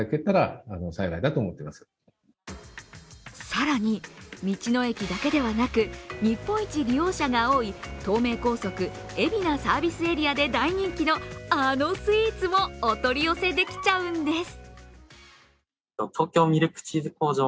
更に道の駅だけではなく日本一利用者が多い、東名高速海老名サービスエリアで大人気のあのスイーツもお取り寄せできちゃうんです。